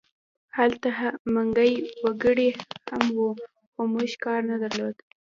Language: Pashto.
هلته ملکي وګړي هم وو خو موږ کار نه درلود